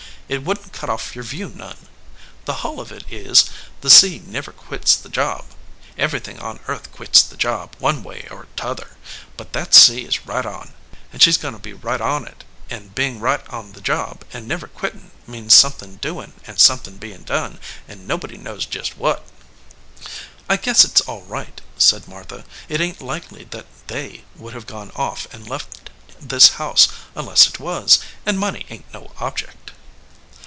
It wouldn t cut off your view none. The hull of it is, the sea never quits the job. Everything on earth quits the job, one way or t other, but that sea is right on, and she s goin to be right on it ; and bein right on the job, and never 144 THE OUTSIDE OF THE HOUSE quitting means somethin doin and somethin* bein done, and nobody knows just what." "I guess it s all right," said Martha. "It ain t likely that They would have gone off and left this house unless it was ; and money ain t no object."